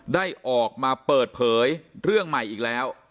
ได้ออกมาเปิดเผยเรื่องใหม่อีกแล้ว